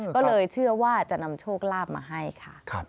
ก็เลยเชื่อว่าจะนำโชคลาภมาให้ค่ะ